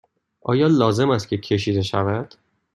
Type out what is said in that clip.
آیا لازم است که کشیده شود؟